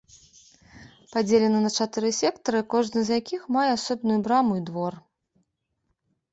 Падзелена на чатыры сектары, кожны з якіх мае асобную браму і двор.